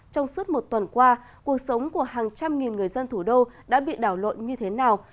trong suốt một tuần qua cuộc sống của hàng trăm nghìn người dân thủ đô đã bị đảo lộn như thế nào